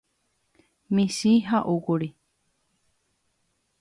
Michĩ ha'úkuri.